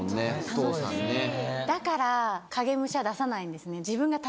だから影武者出さないんですね。